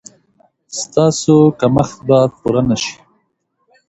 ایا ستاسو کمښت به پوره نه شي؟